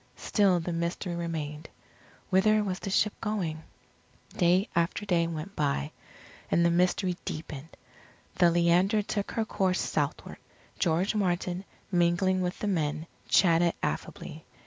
Still the mystery remained whither was the ship going? Day after day went by, and the mystery deepened. The Leander took her course southward. George Martin, mingling with the men, chatted affably.